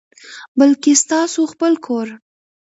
بلکي ستاسو خپل کور،